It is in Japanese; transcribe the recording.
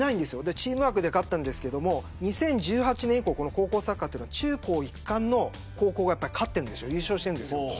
チームワークで勝ったんですけど２０１８年以降この高校サッカーは中高一貫の高校が優勝してるんです。